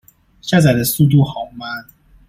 下載的速度好慢